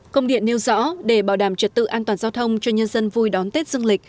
công điện nêu rõ để bảo đảm trật tự an toàn giao thông cho nhân dân vui đón tết dương lịch